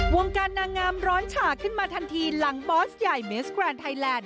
วงการนางงามร้อนฉากขึ้นมาทันทีหลังบอสใหญ่เมสแกรนดไทยแลนด